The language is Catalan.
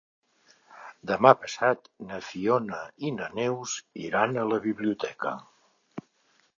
Demà passat na Fiona i na Neus iran a la biblioteca.